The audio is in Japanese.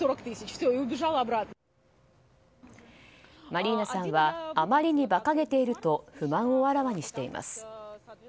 マリーナさんはあまりにばかげていると不満をあらわにしています。